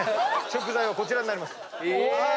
食材はこちらになります。